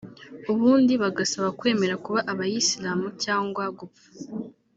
ubundi bagasabwa kwemera kuba abayisilamu cyangwa gupfa